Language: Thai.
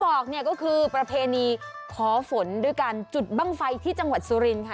บอกเนี่ยก็คือประเพณีขอฝนด้วยการจุดบ้างไฟที่จังหวัดสุรินค่ะ